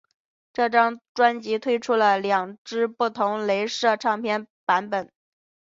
这张专辑推出了两只不同雷射唱片版本。